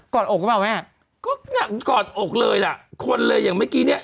กอดอกหรือเปล่าไหมอ่ะก็กอดอกเลยล่ะคนเลยอย่างเมื่อกี้เนี่ย